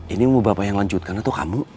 ini mau bapak yang lanjutkan atau kamu